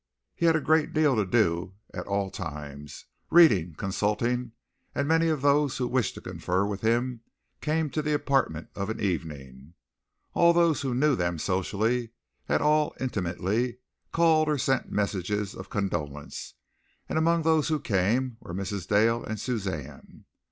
He had a great deal to do at all times, reading, consulting, and many of those who wished to confer with him came to the apartment of an evening. All those who knew them socially at all intimately called or sent messages of condolence, and among those who came were Mrs. Dale and Suzanne.